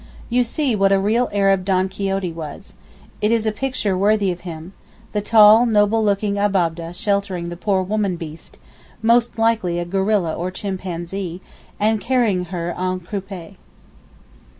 You see what a real Arab Don Quixote was. It is a picture worthy of him,—the tall, noble looking Abab'deh sheltering the poor 'woman beast,' most likely a gorilla or chimpanzee, and carrying her en croupe.